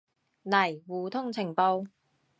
嚟互通情報